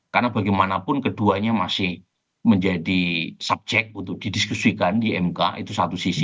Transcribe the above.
karena bagaimanapun keduanya masih menjadi subjek untuk didiskusikan di mk itu satu sisi